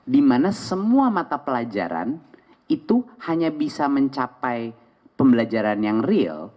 dimana semua mata pelajaran itu hanya bisa mencapai pembelajaran yang real